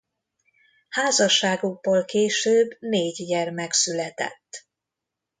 Házasságukból később négy gyermek született.